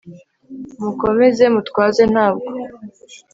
mu komeze mutwaze ntabwo